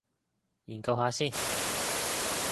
研究下先